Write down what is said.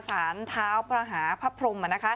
สานเท้าพระหาพระพรม